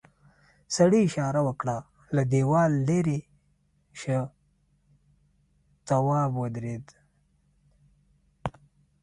سړي اشاره وکړه له دیوال ليرې شه تواب ودرېد.